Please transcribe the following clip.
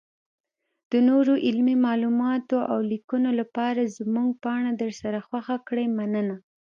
-دنورو علمي معلوماتو اولیکنو لپاره زمونږ پاڼه درسره خوښه کړئ مننه.